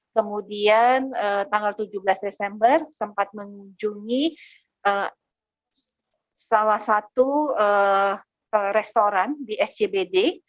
kemudian tanggal tujuh belas desember sempat mengunjungi salah satu restoran di scbd